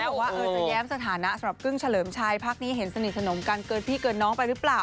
บอกว่าจะแย้มสถานะสำหรับกึ้งเฉลิมชัยพักนี้เห็นสนิทสนมกันเกินพี่เกินน้องไปหรือเปล่า